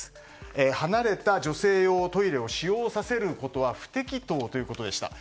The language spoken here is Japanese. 離れた女性用トイレを使用させることは不適当ということでした。